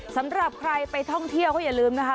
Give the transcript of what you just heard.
สำหรับใครไปท่องเที่ยวก็อย่าลืมนะคะ